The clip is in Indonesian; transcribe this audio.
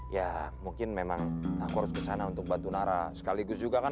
ya mungkin memang aku harus ke sana untuk batu nara sekaligus juga kan